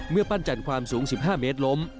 ปั้นจันทร์ความสูง๑๕เมตรล้ม